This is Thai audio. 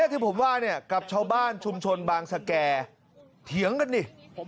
ที่ผมว่าเนี่ยกับชาวบ้านชุมชนบางสแก่เถียงกันดิ